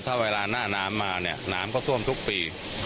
ถ้าเวลาน่าน้ำมาน้ำก็ท่วมทุกปี